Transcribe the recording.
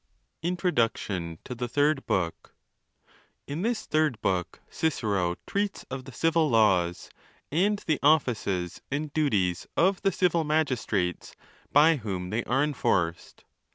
INTRODUCTION TO THE THIRD BOOK. In this Third' Book Cicero treats of the civil laws, and the offices and duties of the civil magistrates by whom they are enforced.